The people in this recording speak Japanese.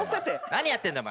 何やってんだ？